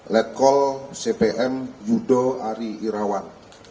letkol cpm yudo ari irawan